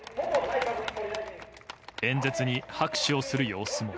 演説に拍手をする様子も。